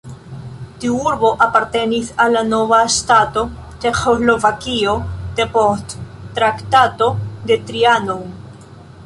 Tiu urbo apartenis al la nova ŝtato Ĉeĥoslovakio depost Traktato de Trianon.